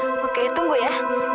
oke tunggu ya